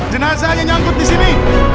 jenazahnya nyangkut di sini